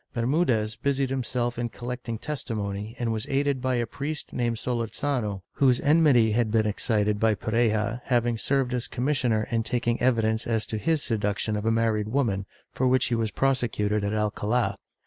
Bermudez busied himself in collecting testimony and was aided by a priest named Solorzano, whose enmity had been excited by Pareja having served as commissioner in taking evidence as to his seduction of a married woman, for which he was prosecuted in AlcaUi.